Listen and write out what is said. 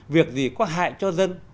việc gì có hại cho dân